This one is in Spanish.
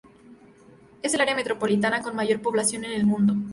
Es el área metropolitana con mayor población en el mundo.